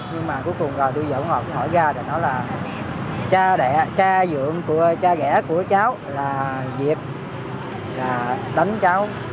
nhưng mà cuối cùng tôi dẫn họ hỏi ra là cha dưỡng cha ghẻ của cháu là việt là đánh cháu